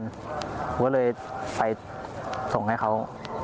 เพราะก็เลยไปส่งให้เขา